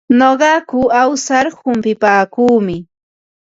Nuqaku awsar humpipaakuumi.